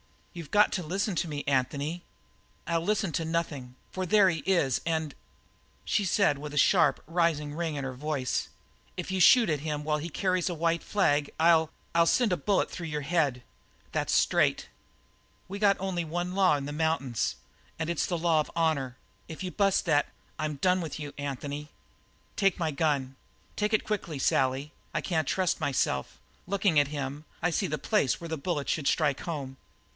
"You've got to listen to me, Anthony " "I'll listen to nothing, for there he is and " She said with a sharp, rising ring in her voice: "If you shoot at him while he carries that white flag I'll I'll send a bullet through your head that's straight! We got only one law in the mountains, and that's the law of honour. If you bust that, I'm done with you, Anthony." "Take my gun take it quickly, Sally, I can't trust myself; looking at him, I can see the place where the bullet should strike home."